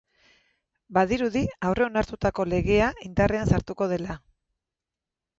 Badirudi aurreonartutako legea indarrean sartuko dela.